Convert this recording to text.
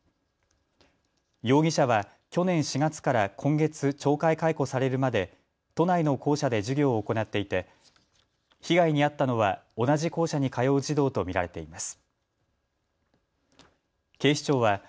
容疑者は去年４月から今月、懲戒解雇されるまで都内の校舎で授業を行っていて被害に遭ったのは同じ校舎に通う児童と見られています。